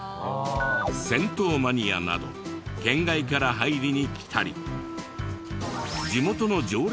銭湯マニアなど県外から入りに来たり。